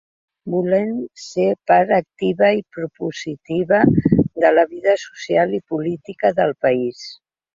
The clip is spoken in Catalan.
Volem ser part activa i propositiva de la vida social i política del país.